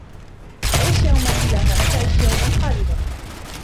عش يوماً بلا هم تعش يوماً خالداً.